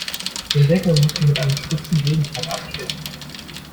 Den Deckel musst du mit einem spitzen Gegenstand anstechen.